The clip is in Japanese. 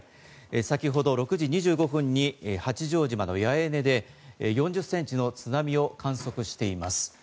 先ほど６時２５分に八丈島の八重根で４０センチの津波を観測しています。